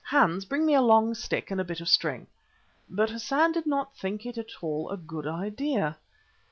"Hans, bring me a long stick and a bit of string." But Hassan did not think it at all a good idea.